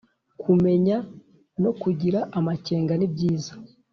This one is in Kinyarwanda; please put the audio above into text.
kumenya no kugira amakenga nibyiza